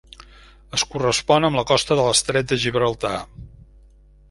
Es correspon amb la costa de l'estret de Gibraltar.